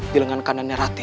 di lengan kanannya rate